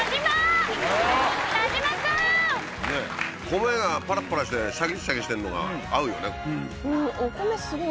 米がパラパラしてシャキシャキしてんのが合うよね。